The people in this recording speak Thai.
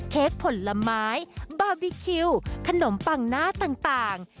เค้กผลไม้บาร์บีคิวขนมปังหน้าต่าง